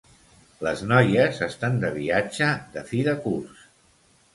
Les noies estan de viatge de fi de curs